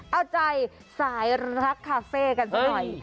เอาใจสายรักคาเฟ่กันซะหน่อย